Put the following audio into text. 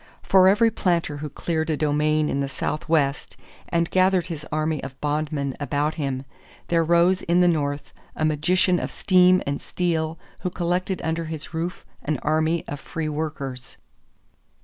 For every planter who cleared a domain in the Southwest and gathered his army of bondmen about him, there rose in the North a magician of steam and steel who collected under his roof an army of free workers.